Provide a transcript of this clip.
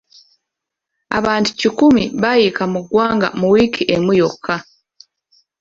Abantu kikumi bayiika mu ggwanga mu wiiki emu yokka.